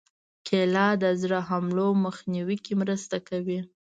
کېله د زړه حملو مخنیوي کې مرسته کوي.